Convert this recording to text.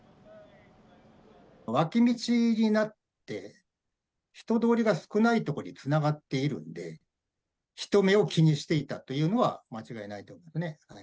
脇道になって、人通りが少ない所につながっているんで、人目を気にしていたというのは間違いないと思いますね。